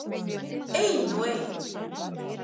Ej nu ej!